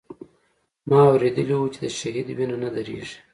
ما اورېدلي و چې د شهيد وينه نه درېږي.